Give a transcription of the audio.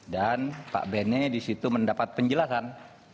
dan pak bene di situ mendapat penjelasan